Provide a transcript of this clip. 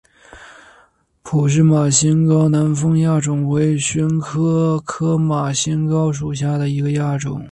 普氏马先蒿南方亚种为玄参科马先蒿属下的一个亚种。